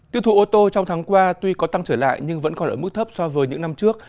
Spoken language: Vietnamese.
tiêu thụ ô tô trong tháng qua tuy có tăng trở lại nhưng vẫn còn ở mức thấp so với những năm trước